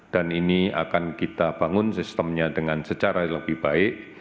dan ini akan kita bangun sistemnya dengan secara lebih baik